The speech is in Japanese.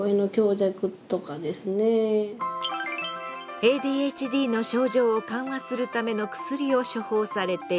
ＡＤＨＤの症状を緩和するための薬を処方されているしょうたくん。